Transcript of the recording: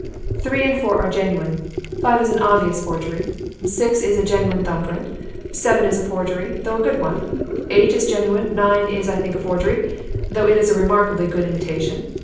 Three and four are genuine; five is an obvious forgery. Six is a genuine thumb print; seven is a forgery, though a good one; eight is genuine; nine is, I think, a forgery, though it is a remarkably good imitation.